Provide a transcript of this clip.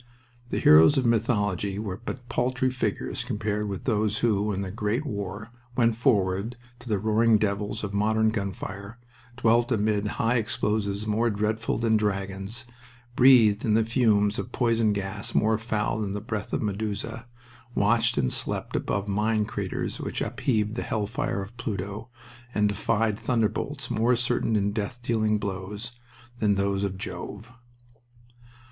The heroes of mythology were but paltry figures compared with those who, in the great war, went forward to the roaring devils of modern gun fire, dwelt amid high explosives more dreadful than dragons, breathed in the fumes of poison gas more foul than the breath of Medusa, watched and slept above mine craters which upheaved the hell fire of Pluto, and defied thunderbolts more certain in death dealing blows than those of Jove.